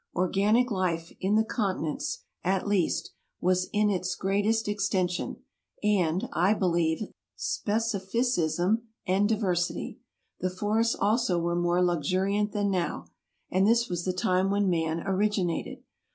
Organic life, in the continents at least, was in its greatest extension, and, I be lieve, specificism and diversity. The forests also were more luxuriant than now. And this was the time when man orig inated.